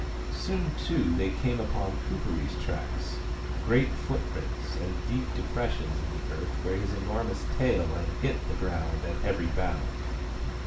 Soon, too, they came upon Kuperee's tracks — great footprints and deep depressions in the earth where his enormous tail had hit the ground at every bound.